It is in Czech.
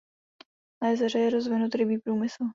Na jezeře je rozvinut rybí průmysl.